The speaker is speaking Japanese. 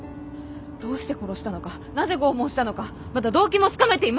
どうして殺したのかなぜ拷問したのかまだ動機もつかめていません。